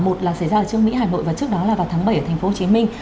một là xảy ra ở trương mỹ hải mội và trước đó là vào tháng bảy ở tp hcm